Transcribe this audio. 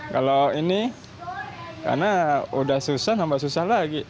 kalau ini karena udah susah nambah susah lagi